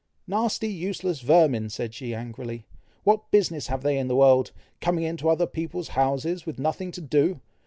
"Nasty, useless vermin!" said she angrily, "What business have they in the world! coming into other people's houses, with nothing to do!